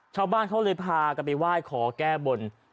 ชาวบ้านเขาเลยพากันไปไหว้ขอแก้บน